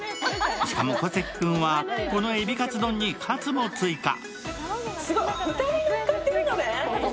しかも、小関君はこの海老かつ丼にかつも追加。